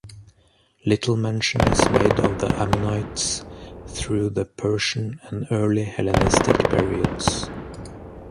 Little mention is made of the Ammonites through the Persian and early Hellenistic periods.